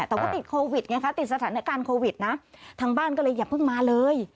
แต่ว่าติดโควิดไงคะติดสถานการณ์โควิดนะทางบ้านก็เลยอย่าเพิ่งมาเลย